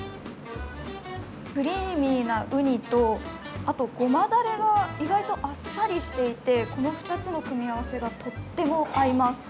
クリーミーなうにと、あとごまだれが意外とあっさりしていてこの２つの組み合わせがとっても合います。